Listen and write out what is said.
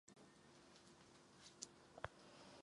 Jinak tomu není ani v případě odvětví zemního plynu.